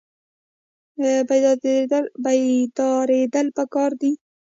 بیداریدل پکار دي